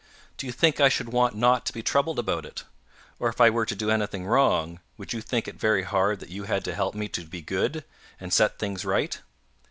Do you think I should want not to be troubled about it? Or if I were to do anything wrong, would you think it very hard that you had to help me to be good, and set things right?